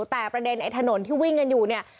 แต่ประเด็นไอ้ถนนที่วิ่งกันอยู่เนี่ย